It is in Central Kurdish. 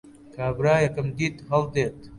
کابرایەکم دیت هەڵدێت